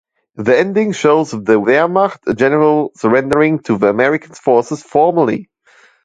The ending shows the Wehrmacht general surrendering to the American forces formally.